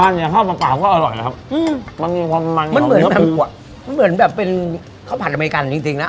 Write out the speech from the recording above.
มันอย่างข้าวเปล่าก็อร่อยนะครับอืมมันมีความมันมันเหมือนแบบเป็นข้าวผัดอเมริกันจริงจริงนะ